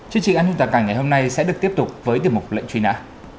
chương trình an ninh toàn cảnh ngày hôm nay sẽ được tiếp tục với tiềm mục lệnh truy nã